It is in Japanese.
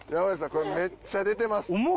これめっちゃ出てます。